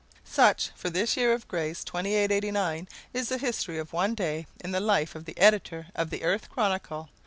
Such, for this year of grace 2889, is the history of one day in the life of the editor of the Earth Chronicle.